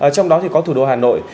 trong đó thì có thủ đô hà nội